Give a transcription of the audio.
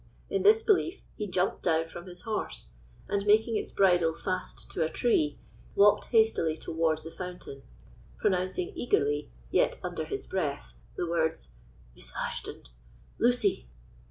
In this belief he jumped from his horse, and, making its bridle fast to a tree, walked hastily towards the fountain, pronouncing eagerly, yet under his breath, the words, "Miss Ashton!—Lucy!"